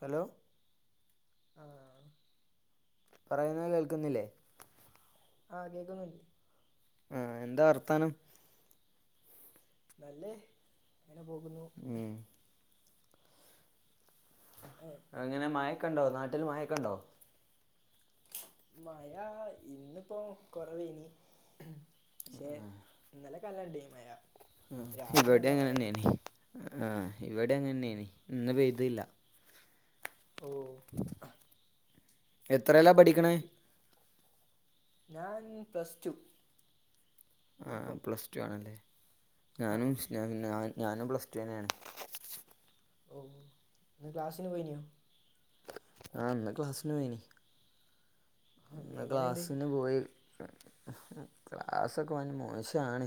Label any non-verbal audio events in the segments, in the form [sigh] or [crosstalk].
Hello ആ [unintelligible] പറയുന്ന കേൾക്കുന്നില്ലേ ആ കേൾക്കുന്നുണ്ട് ആ എന്താ വർത്താനം നല്ലേ [unintelligible] അങ്ങനെ പോകുന്നു ഉം ഏഹ് അങ്ങനെ മയക്കണ്ടാവും നാ- നിങ്ങടെ മയക്കണ്ടോ മഴ ഇന്നിപ്പോ കൊറവേനി പക്ഷെ ഇന്നലെ മഴ ഉണ്ട് മഴ രാത്രി ഇവിടെ നല്ല അങ്ങനെ മഴയാണ് തന്നെയ ആ ഇവിടെ ആഹ് അങ്ങനെന്നെയനി ഇന്ന് പെയ്തില്ല ഓ എത് എത്രലാ പഠിക്ക്ണേ ഞാൻ പ്ലസ് ടു ആ ഇപ്പം പ്ലസ് ടു ആണല്ലേ ആഹ് ഞാനും ആഹ് സ് ഞാൻ ഞാനും പ്ലസ് ടു തന്ന്യാണ് ഓ ന്ന് ക്ലാസിന് പോയിന്യോ ആ ഇന്ന് ക്ലാസ്സിനോയിനി ഇന്ന് എങ്ങനെണ്ട് ക്ലാസ്സിന് പോയി ക്ലാസൊക്കെ വൻ മോശാണ്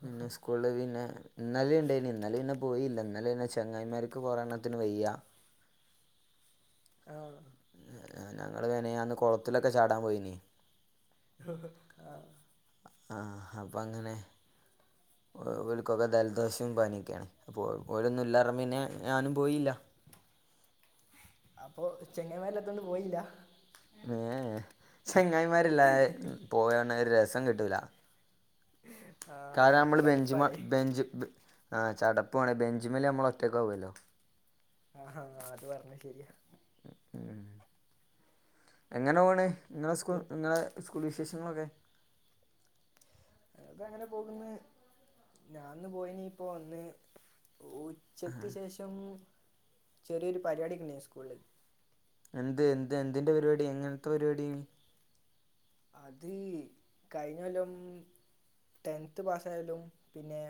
പിന്നെ സ്കൂള് പിന്നെ ഇന്നലിണ്ടേനി ഇന്നലെ ന്ന് പോയില്ല ഇന്നലെ എന്റെ ചെങ്ങായിമാർക്ക് കൊറേണ്ണത്തിന് വയ്യാ ആഹ് ഞങ്ങള് മെനയാന്ന് കൊളത്തിലൊക്കെ ചാടാൻ പോയിനി ഓ ആഹ് ആഹ അപ്പങ്ങനെ വൽകൊക്കെ ദൽദോസും പനിയൊക്യാണ് അപ്പൊ ഓരൊന്നും ഇല്ലർഞപ പിന്നെ ഞാനും പോയില്ല അപ്പൊ ചെങ്ങയ്മാരില്ലാത്തൊണ്ട് പോയില്ല ഏ ചെങ്ങായിമാരില്ലാതെ പോയണൊരസ സം കിട്ടൂല്ല ആഹ് കാര് അത് നമ്മള് ബെഞ്ച്മ്മെ കടുപ്പാലേ ബെഞ്ച് ബ് ആ ചട ഇപ്പൊ ആണെ ബെഞ്ചിമ്മല് ഞമ്മള് ഒറ്റക്കാവൊല്ലോ ആഹാ അത് പറ്ഞ്ഞെ ശരിയാ ഉം എങ്ങനെ പോണ് ഇങ്ങളെ സ്കൂ ഇങ്ങളെ സ് കൂള് വിശേഷങ്ങളൊക്കെ അത് അങ്ങനെ പോക്ന്നു ഞാൻ ഇന്ന് പോയിനി ഇപ്പം വന്ന് ഊ ഉച്ചക്ക് ശേഷം ചെറിയൊരു പരിപാടിയൊക്കെ ഇണ്ടേനി സ്കൂള്ല് എന്ത് എന്ത് എന്തിന്റെ പരിപാടി എങ്ങനത്തെ പരിപാടിയേനി അത് കഴിഞ്ഞ കൊല്ലം ടെൻത് പാസായോലും പിന്നെ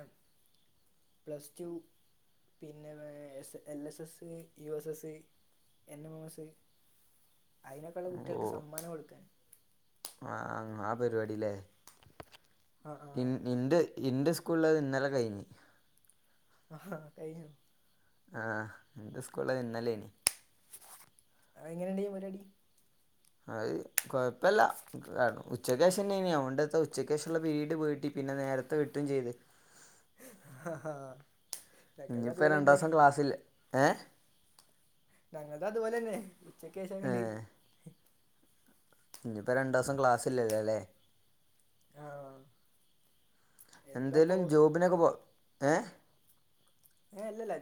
പ്ലസ് ടു പിന്നെ വേ S L S S, U S S, N M M S അയിനൊക്കള്ളാ കുട്ടിയള്ക്ക് സമ്മാനം കൊട്ക്കാന് ആഹ് ആഹ് പരിപാടിലേ ആ ആ ഇന്റെ സ് സ്കൂളിൽ ഇന്നലെ കഴിഞ്ഞു ആഹാ കഴാഞ്ഞോ ആന്റെസ്കൂളിൽ ഇനലായിരുന്നു അത് ങ്ങനെണ്ടായി നി പരിപാടി ന്നത് കുഴപ്പല്ല നേരത്തെ വിട്ടു ഹ ഹ അത് ഇനിയിപ്പോൾ രണ്ട് പോലന്നെ ദിവസം ക്ലാസ്സില്ല ഏ ഞങ്ങൾ തും അത് പോലെന്നെ ച്ചക്ക് ശേഷം വിട്ട് ഞ് പ്പം രണ്ട് മാസം ക്ലാസില്ല ലേ ആ എന്തേലും ജോബിനൊക്കെ പോ എ ഏഹ് ഇല്ലല്ല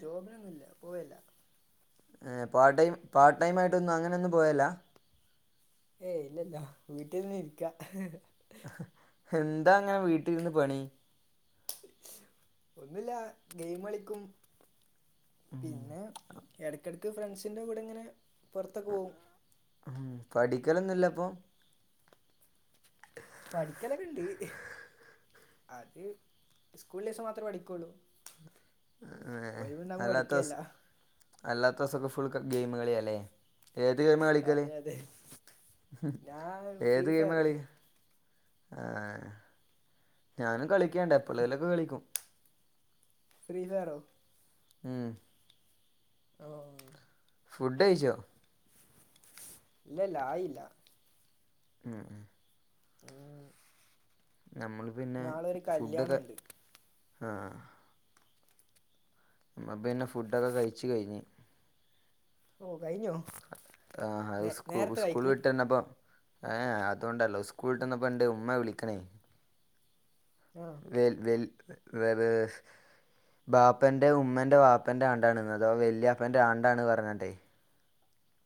[inaudible] പാർട്ട്‌ ടൈം ആയിട്ട് അങ്ങനൊന്നും പോവാലില്ല ഏയ്‌ ഇല്ലല്ലാ വീട്ടിൽ ഇരിക്ക എന്താ അങ്ങനെ വീട്ടിൽ ഇരുന്ന് പണി ഒന്നുല്ല ഗെയിം കളിക്കും പിന്നെ ഫ്രണ്ട്സിന്റെ കൂടെ ഇങ്ങനെ പൊർത്തൊക്കെ പോവും ആ പഠിക്കലാന്നും ല്ലേപ്പോ പഠിക്കൽ ക്കെങ് അത് സ്കൂൾ ള്ള ദിവസം മാത്രം പഠിക്കള്ളു ഒഴിവുണ്ടാവുമ്പോൾ പഠിക്കലില്ലാ അല്ലാത്തോ സംഫുൾ ഗെയിം കളിയാലേ അതെ അതെ ഞാൻ ഫ്രീ ഏത് ഗെയിം ഫയർ കളി ആ ഞാനും കളി എപ്പളെങ്കിൽ ഒക്കെ കളിക്കും [unintelligible] ഉം ആ ഫുഡ്‌ കഴിച്ചോ ഇല്ല ഇല്ലാ ആയില്ലാ ഉം [inaudible] നമ്മൾ പിന്നെ നാളെ ഒരു കല്യാണം ഫുഡൊക്കെ ഉണ്ട് ആ ഹ മ്മള് പിന്നെ ഫുഡ് ഒക്കെ കഴിച്ചു കഴിഞ്ഞു ഓ കഴിഞ്ഞോ ആഹ് അഹ് നേ സ്കൂ നേരത്തെ സ്കൂള് കഴിക്കും വിട്ട് വന്നപ്പം ഏഹ് അതോണ്ടല്ല സ്കൂള് വിട്ട് വന്നപ്പണ്ട് ഉമ്മ വിളിക്ക്ണ് ആഹ് വെല് വെല്ത് വെ വേഹ് ബാപ്പന്റെ ഉമ്മന്റെ വാപ്പന്റെ ആണ്ടാണ് ഇന്ന് അഥവാ വല്യാപ്പന്റെ ആണ്ടാണ് പറ്ഞ്ഞാണ്ടെ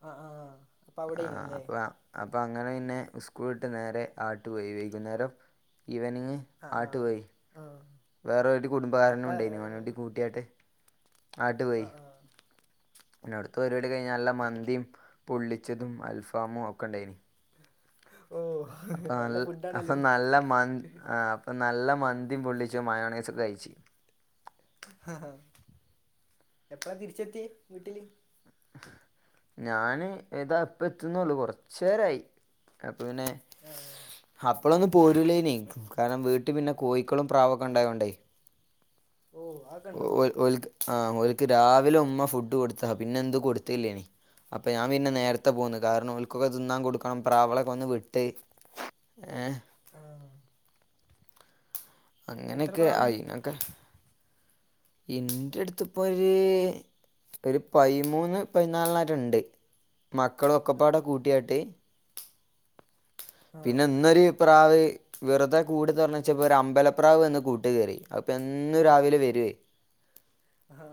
ആഹ് ആഹ് അപ്പൊ ആഹ് അവിടെയാണല്ലേ അപ്പ അ അപ്പൊ അങ്ങനെ പിന്നെ സ്കൂൾ വിട്ട് നേരെ ആണ്ട് പോയി വൈകുന്നേരം ഈവനിംഗ് ആഹ് ആട്ട് ആഹ് പോയി ആഹ് വേറെ ഒരു എപ്പ കുടുംബക്കാരനും ഉണ്ടായിരുന്നു ഓനേം കൂടി കൂട്ടി ആട്ട് ആട്ട് പോയി ആഹ് ആഹ് പിന്നെ അവിടുത്തെ പരുപാടി കഴിഞ്ഞു നല്ല മന്തി പൊള്ളിച്ചതും ആൽഫാമും ഒക്കെ ഉണ്ടായിരുന്നു ഓ അപ്പൊ നല്ല അപ്പൊ ഫുഡാണല്ലോ നല്ല മന്തി ആഹ് നല്ല മന്തി പൊള്ളിച്ചതും മയോണിസും കഴിച്ചു ഹം ഹ എപ്പളാ തിരിച്ചെത്തിയെ വീട്ടില് ഞാന് ഇതാ ഇപ്പൊ എത്തുന്നൊള്ളു കുറച്ചു നേരം ആയി പ്പ പിന്നെ ആഹ് അപ്പളും പോരുലേനേ കാരണം വീട്ടിൽ പിന്നെ കോയികളും പ്രാവൊക്കെ ഉണ്ടായൊണ്ടെ ഓ അതൊക്കെണ്ടോ ഓല് ഓല്ക്ക് ആഹ് ഓല്ക് രാവിലെ ഉമ്മ ഫുഡ്‌ കൊടുത്തതാ പിന്നെ ഇന്ന് കൊടുത്തില്ലെയ്നി അപ്പൊ പിന്നെ ഞാൻ നേരത്തെ പോന്ന് കാരണം ഓല്ക് ഒക്കെ തിന്നാൻ കൊടുക്കണം പ്രാവ്ളൊക്കെ ഒന്ന് വിട്ട് ആഹ് അങ്ങനെ എത്ര ഒക്കെ ആയി പ്രാവുണ്ട് ഇങ്ങ ഇന്റെ അടുത്ത് ഇപ്പോ ഒരു ഒരു പയിമൂന്ന് പയിനാലെണ്ണം ഉണ്ട് മക്കളൊക്കെപ്പാടെ ആഹ് കൂട്ടിയാട്ട് ആഹ് പിന്നെ ഇന്നൊരി [unintelligible] പ്രാവ് വെറുതെ കൂട് തുറന്ന് വെച്ചപ്പോ ഒരു അമ്പലപ്രാവ് വന്ന് കൂട്ട് കയറി അപ്പൊ എന്നു രാവിലെ വരുയ് ആഹ്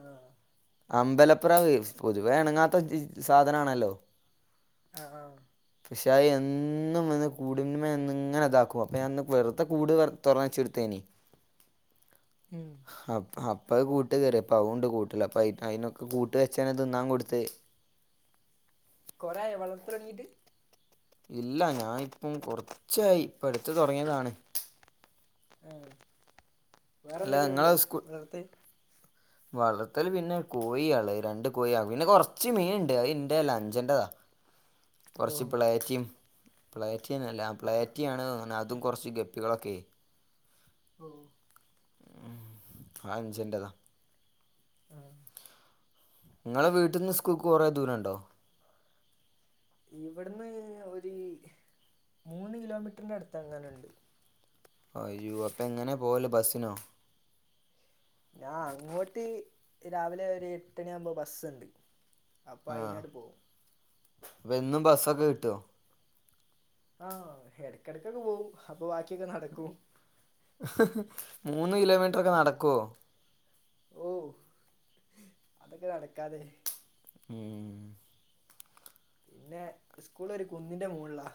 അമ്പലപ്രവ് പൊതുവേ എണങ്ങ ത്ത [unintelligible] സാധനാണല്ലോ ആ ആ പക്ഷേ അത് എന്നും വന്ന് കൂടിൻമേന്നിങ്ങനെ ഇതാക്കും അപ്പൊ ഞാനിന്ന് വെർതെ കൂട് വെർ തൊർന്നച്ച്ട്ത്തേനി ഉം ഹപ്പ അ പ്പ അത് കൂട്ട് കേറിപ്പ അതുണ്ട് കൂട്ടില് അപ്പ അയ് അയ്നൊക്കെ കൂട്ട് വെച്ചെന്നെ തിന്നാൻ കൊട്ത്ത് കൊറേയായോ വളർത്തല് തൊടങ്ങീട്ട് ഇല്ല ഞായിപ്പം കൊർച്ചായി പ്പട്ത്ത് തൊട്ങ്ങിയതാണ് ഏ വേറെന്തെങ്കിലുണ്ടോ ങ്ങളട്ത്ത് വളർത്തല് പിന്നെ കോഴിയാള്ളെ രണ്ട് കോഴിയാ പിന്നെ കൊർച്ച് മീണ്ട് അതിന്റല്ല അഞ്ചന്റതാ ഓ കൊർച് പ്ലേറ്റിം പ്ലേ റ്റിന്നല്ല ആഹ് ആഹ് പ്ലേറ്റിയാണ് അതും കൊറച്ച് ഗപ് ങ്ങളൊക്കെ ഓ അഞ്ചിന്റെതാ ആഹ് ഇങ്ങളെ വീട്ടിന്ന് സ്കൂക്ക് കൊറേ ദൂരോണ്ടോ? ഇവടന്ന് ഒര് മൂന്ന് കിലോമീറ്ററിന്റെ അടുത്തെങ്ങാനുമുണ്ട് അയ്യോ അപ്പൊങ്ങനാ പോവല് ബസ്സിനോ ഞാൻ അങ്ങോട്ട് രാവില ഒരു എട്ടുണിയാവുമ്പോ ബസ്സുണ്ട് അപ്പ ആഹ് അയ്നാട് പോവും എന്നും ബസ്റ്റൊക്കെ കിട്ടോ? ആ എടക്കെടക്കൊക്കെ പോവും അപ്പൊ ബാക്കിയൊക്കെ നടക്കും മൂന്ന് കിലോമീറ്ററൊക്കെ നടക്കോ ഓ അതൊക്കെ നടക്കാതെ ഉം പിന്നെ ഇസ്കൂളൊരു കുന്നിന്റെ മുകളിലാ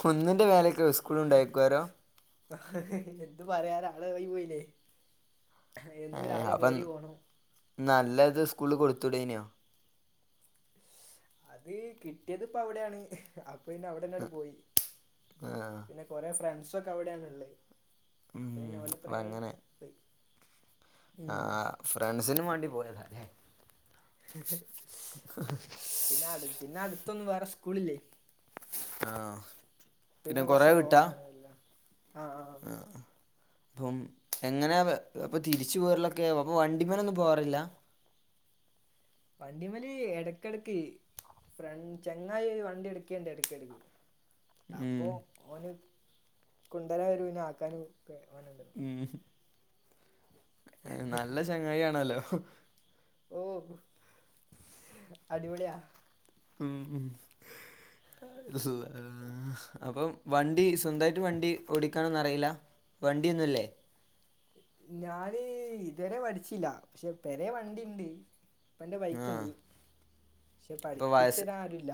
കുന്നിന്റെ മേല ക്കാ ഇസ്കൂളുണ്ടായ്ക്കൊരം എന്തു പറയാനാ അവിടായി പോയില്ലേ എന്നും ഏഹ് രാവിലെ അപ്പം കേറിപോണം നല്ലത് സ്കൂളില് കൊടുത്തൂടെയ്നോ അതീ കിട്ടയത് ഇപ്പൊ അവിടേണ് അപ്പൊ പിന്നെ അവടന്നാണ്ട് പോയി ആഹ് പിന്നെ കൊറേ ശ്ര ക്കെ അവിടാണ് ഉള്ളെ അപ്പ ഉം പിന്നെ [unintelligible] പെയ് ആ ഫ്രണ്ട്സിനും വേണ്ടി പോയതാ ഞാൻ പിന്നാട് പിന്നാട് ടുത്തൊന്നും വേറെ സ്കൂളില്ലെ? ആ പിന്നെ കൊറച്ച് ലോങ് ആണ് എല്ലാം ആഹ് ആഹ് ആ അപ്പം എങ്ങനാ അത് അപ്പൊ തിരിച്ചു പോരലൊക്കെ അപ്പൊ വണ്ടിമേലൊന്നും പോവാറില്ല വണ്ടിമേല് ഇടക്കിടക്ക് ഫ്ര ചങ്ങായിയൊരു വണ്ടി എടുക്കേണ്ട് ഇടക്കിടക്ക് ഉം അപ്പൊ ഓന് കുണ്ടല വരോന്ന് ആക്കാന്ന് ഉം ഹ് നല്ല ചെങ്ങായിയാണല്ലോ [unintelligible] ഓ അടിപൊളിയ ഉം ഉം [unintelligible] അപ്പം വണ്ടി സ്വന്തയിട്ട് വണ്ടി ഓടിക്കാണൊന്ന അറിയില്ല വണ്ടിഒ ന്നുംല്ലേ ഞാന് ഇതുവരെ പഠിച്ചില്ല പക്ഷെ പെ രെ വണ്ടിണ്ട് ഇപ്പ എന്റെ ആ ബൈക്ക് ഉണ്ട് പക്ഷെ അപ്പോൾ വയസ്സ് പഠിപ്പിച്ചരാരുല്ല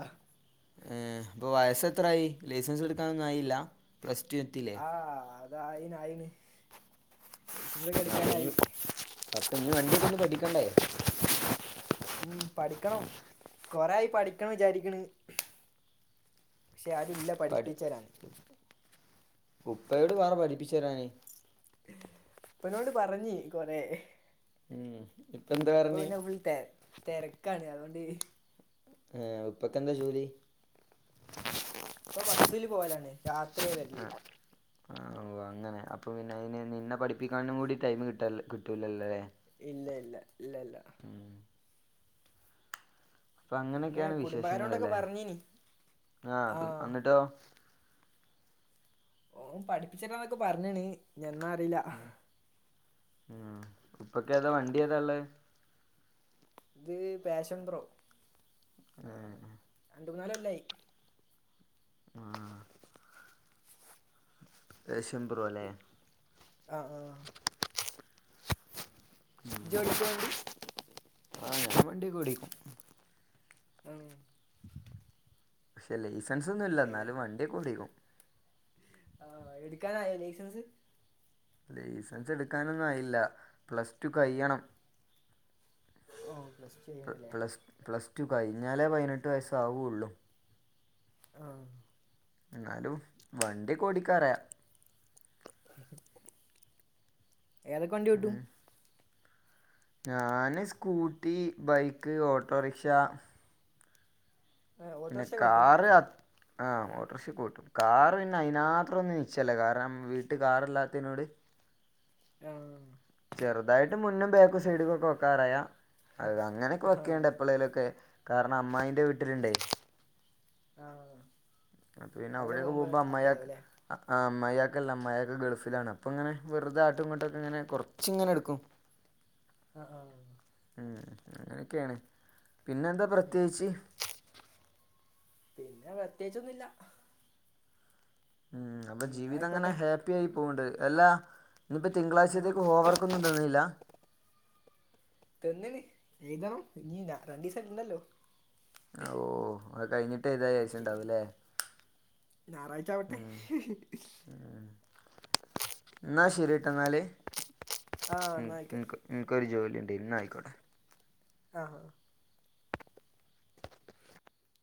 ഇപ്പ വയസ്സ എത്രായിയി ലൈസൻസ് എടുക്കാനൊന്നുംആയില്ല പ്ലസ് റ്റു ത്തിലെ അത ആയിന് ആയിന് ലൈസൻസ ഒക്കെ എടുക്കാനായി വണ്ടി ഒന്ന് പഠിക്കണ്ടേ ഉം പഠിക്കണം കൊറായി പഠിക്കണം വിചാരിക്കാണ് പക്ഷെ അരും ഇല്ല പഠി പഠിപ്പിച്ചരാൻ ഉപ്പയോട് പറെ പഠിപ്പിച്ചു തരാന് ഇപ്പന്നോട് പറഞ്ഞി കൊറെ ഉം ഇപ്പൊ പിന്നെ ഫുൾ തേ തിരക്കാണ് അതുകൊണ്ട് ഏർ ഉപ്പക്ക എന്താ ജോലി ഇപ്പൊ ബസ്സില് പോവലാണ് രാത്രിയ ആ വരില് ആ ഓ അങ്ങനെ അപ്പൊ പിന്നെ അതിന് നിന്ന പഠിപ്പിക്കാനും കൂടി ടൈം കിട്ട കിട്ടൂല്ലല്ലോ അല്ലേ ഇല്ല ഇല്ല ഇല്ല ല്ല അപ്പൊ പിന്നെ അങ്ങനെയൊക്കെയാണ് കുടുംബക്കാരോണ്ടൊക്കെ വിശേഷങ്ങല്ലെ പറഞ്ഞിനി ആ പി ആഹ് ന്നിട്ടോ ഓ പഠിപ്പിച്ചരാന്നൊക്കെ പറഞ്ഞണ് എന്നറിയില്ല ആ ഇപ്പൊക്ക ഏതാ വണ്ടി ഏതാല്ലേ ഇത് പാഷൻ ത്രോ മുന്നാല കൊല്ലയി ആ [unintelligible] സിമ്പറോല ആഹ് ആഹ് ജോഡിക്കു വണ്ടി ആ ഞാൻ വണ്ടി ഒക്കെ ഓടിക്കും [unintelligible] [unintelligible] സെൻസ് ഒന്നും ഇല്ല എന്നാലും വണ്ടിയൊക്കെ ഓടിക്കും.. ആ എടുക്കാനായോ ലൈസൻസ്? ലൈസൻസ് എടുക്കാനൊന്നും ആയില്ല പ്ലസ് ടു കഴിയണം. ഓ പ്ലസ് ടു പ്ല കഴിയാണല്ലേ പ്ലസ് പ്ലസ് റ്റു കഴിഞ്ഞാലേ പതിനെട്ട് വയസ്സ് ആവൂള്ളൂ. ആ എന്നാലും വണ്ടിയൊക്കെ ഓടിക്കാനറിയാം ഉ ഏതൊക്കെ വണ്ടി ഓട്ടും? ഞാന് സ്കൂട്ടി, ബൈക്ക്, ഓട്ടോറിക്ഷ ആഹ് പിന്നെ ഓട്ടോറിക്ഷ ഒക്കെ ഓട്ടും കാറ് അ ആ ഓട്ടോറിക്ഷയൊക്കെ ഓട്ടും കാറ് പിന്നെ അതിന് മാത്രം ഒന്നും യൂസ് ചെയ്യില്ല കാരണം വീട്ടിൽ കാറില്ലാത്തനോട് ആ മുന്നും ബാക്കും സൈഡുമൊക്കെ നോക്കാനറിയാം അതേ അങ്ങനെയൊക്കെ ആഹ് വെക്കെയണ്ട് എപ്പളേലുവൊക്കെ കാരണം അമ്മായീന്റെ വീട്ടിലുണ്ടേ ആ പിന്നെ അവിടെയൊക്കെ പോകുമ്പോ അമ്മായി അമ്മായി ല്ല അമ്മായിയൊക്കെ ഗൾഫിലാണ് അപ്പൊ ഇങ്ങനെ വെറുത അങ്ങോട്ടും ഇങ്ങോട്ടും ഒക്കെ അങ്ങനെ കൊറച്ചിങ്ങനെ എടുക്കും. ആ ആ ഉം അങ്ങനൊക്കെയാണ്. പിന്നെന്താ പ്രത്യേകിച്ച് പിന്നെ പ്രത്യേകിച്ച് ഒന്നുമില്ല. ഉം അപ്പൊ ജീവിതം അങ്ങനെ ആയിക്കോട്ടെ ഹാപ്പി ആയി പോവണ്ട് അല്ലാ ഇന്നിപ്പോൾ ആഹ് തിങ്കാഴ്ചത്തേക്ക് ഹോംവർക്കൊന്നും തന്നി ല്ലാ തന്നിനി എഴുതണം ഇനി രണ്ടീസം ഇണ്ടല്ലോ. ഓ അത് കഴിഞ്ഞിട്ട് എഴുതാന്ന് കുറച്ചുകൂടി വിചാരിച്ചിട്ടുണ്ടാവുല്ലേ ഞായറാഴ്ച ആവട്ടെ ഉം ഉം എന്നാ ശരിട്ടോ എന്നാല് ആഹ് ഉം ഉം ഉം ന്നാ ഓക്കെ എനക്ക് എനക്കൊരു ജോലിയുണ്ട് എന്നാ ആയിക്കോട്ടെ ആ